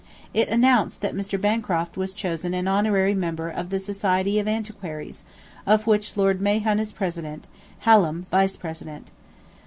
It announced that Mr. Bancroft was chosen an Honorary Member of the Society of Antiquaries, of which Lord Mahon is president, Hallam, vice president.